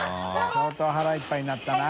蠹腹いっぱいになったな。